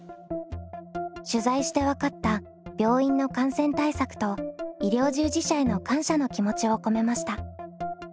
取材して分かった病院の感染対策と医療従事者への感謝の気持ちを込めました。